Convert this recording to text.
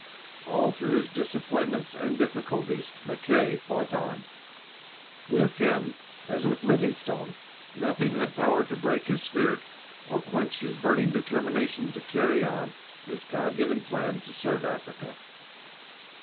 All through his disappointments and difficulties Mackay fought on. With him, as with Livingstone, nothing had power to break his spirit or quench his burning determination to carry on his God given plan to serve Africa.